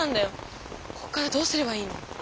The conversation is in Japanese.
ここからどうすればいいの？